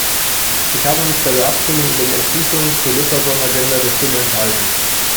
Ich habe mich bei der Abstimmung über die Entschließung zur Lissabon-Agenda der Stimme enthalten.